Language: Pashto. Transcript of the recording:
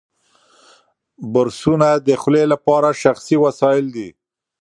برسونه د خولې لپاره شخصي وسایل دي.